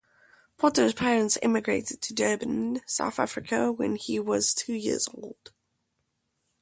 Potter's parents emigrated to Durban, South Africa when he was two years old.